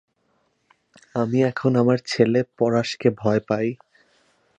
আমি এখন আমার ছেলে পোরাসকে ভয় পাই।